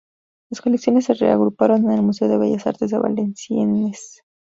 Las colecciones se reagruparon en el Museo de Bellas Artes de Valenciennes.